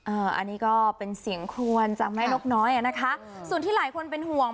อันนี้ก็เป็นเสียงครวนจากแม่นกน้อยอ่ะนะคะส่วนที่หลายคนเป็นห่วง